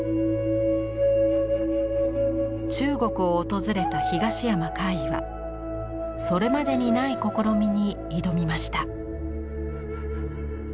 中国を訪れた東山魁夷はそれまでにない試みに挑みました。